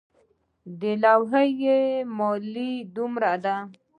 د لوحې مالیه څومره ده؟